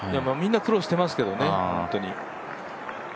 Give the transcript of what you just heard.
みんな苦労してますけどね、本当に。